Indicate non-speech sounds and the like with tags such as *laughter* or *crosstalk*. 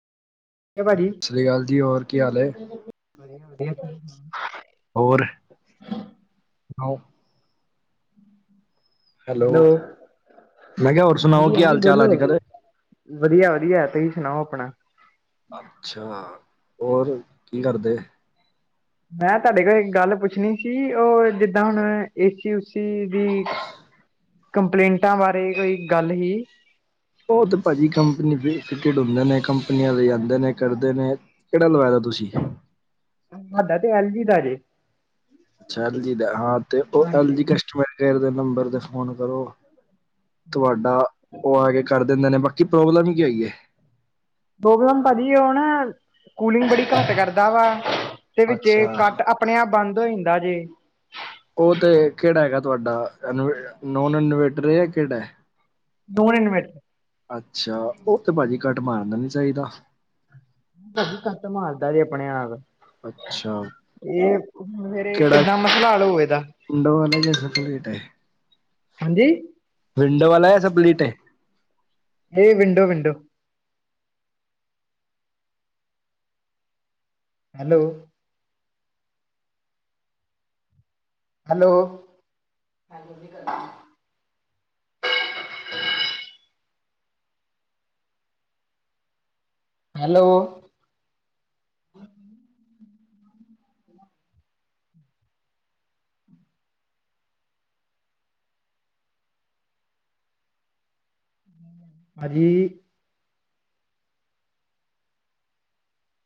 ਕਿਆ ਭਾਜੀ ਸਤਿ ਸ੍ਰੀ ਅਕਾਲ ਜੀ। ਹੋਰ ਕੀ ਹਾਲ ਏ? ਵਧੀਆ ਵਧੀਆ ਹੋਰ ਸੁਣਾਓ? ਹੈਲੋ, ਮੈਂ ਕਿਹਾ ਹੋਰ ਸੁਣਾਓ ਕੀ ਹਾਲ ਚਾਲ ਅੱਜ ਕੱਲ? ਵਧੀਆ- ਵਧੀਆ! ਤੁਸੀਂ ਸੁਣਾਓ ਆਪਣਾ? ਅੱਛਾ, ਹੋਰ ਕੀ ਕਰਦੇ? ਮੈਂ ਤੁਹਾਡੇ ਕੋਲ ਇੱਕ ਗੱਲ ਪੁੱਛਣੀ ਸੀ ਉਹ ਜਿੱਦਾਂ ਹੁਣ ਏਸੀ ਦੀ ਕੰਪਲੇਂਟਾਂ ਬਾਰੇ ਕੋਈ ਗੱਲ ਹੀ। ਉਹ ਤੇ ਭਾਜੀ ਕੰਪਨੀਟ ਹੁੰਦੇ ਨੇ, ਕੰਪਨੀਆਂ ਦੇ ਆਂਦੇ ਨੇ ਕਰਦੇ ਨੇ। ਕਿਹੜਾ ਲਵਾਇਆ ਦਾ ਤੁਸੀਂ? ਸਾਡਾ ਤੇ ਐਲ ਜੀ ਦਾ ਜੇ। ਅੱਛਾ ਐਲ ਜੀ ਦਾ ਹਾਂ ਤੇ ਉਹ ਐਲ ਹਾਂਜੀ ਜੀ ਕਸਟਮਰ ਕੇਅਰ ਦੇ ਨੰਬਰ ਤੇ ਫੋਨ ਕਰੋ। ਤੁਹਾਡਾ ਉਹ ਆ ਕੇ ਕਰ ਦਿੰਦੇ ਨੇ, ਬਾਕੀ ਪ੍ਰੋਬਲਮ ਹੀ ਕੀ ਆਈ ਏ? ਪ੍ਰੋਬਲਮ ਭਾਜੀ ਉਹ ਨਾ ਕੂਲਿੰਗ ਬੜੀ ਘੱਟ ਕਰਦਾ ਵਾ ਤੇ ਵਿੱਚ ਅੱਛਾ ਕੱਟ ਅਪ ਆਪਣੇ ਆਪ ਬੰਦ ਹੋ ਜਾਂਦਾ ਜੇ। ਉਹ ਤੇ ਕਿਹੜਾ ਹੈਗਾ ਤੁਹਾਡਾ ਇਨ ਨੋਨ ਇਨਵੇਟਰ ਜਾਂ ਕਿਹੜਾ? Non inverter. ਅੱਛਾ, ਉਹ ਤੇ ਭਾਜੀ ਕੱਟ ਮਾਰਨਾ ਨੀ ਚਾਹੀਦਾ। ਕੱਟ ਮਾਰਦਾ ਜੇ ਆਪਣੇ ਆਪ। ਅੱਛਾ ਇਹ ਫੇਰੇ ਕਿੱਦਾਂ ਮਸਲਾ ਹਲ ਹੋਵੇ ਇਹਦਾ? ਠੰਡ ਹੁੰਦਾ ਲੇਟ ਹੈ *unintelligible* ਹਾਂਜੀ। ਵਿੰਡੋ ਵਾਲਾ ਹੈ ਸਭ ਪਲੀਟ ਏ? ਏ ਵਿੰਡੋ-ਵਿੰਡੋ। ਹੈਲੋ। ਹੈਲੋ। *inaudible* ਹੈਲੋ। ਹਾਜੀ।